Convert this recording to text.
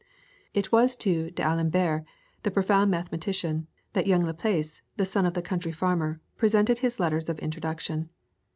It was to D'Alembert, the profound mathematician, that young Laplace, the son of the country farmer, presented his letters of introduction.